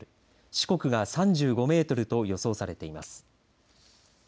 四国が３５メートルと予想されています。